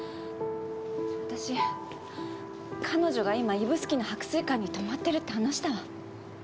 私彼女が今指宿の白水館に泊まってるって話したわ。